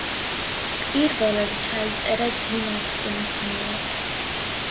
პირველად ჩაიწერა ჯინ ოსტინის მიერ.